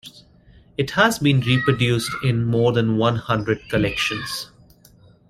It has been reproduced in more than one hundred collections.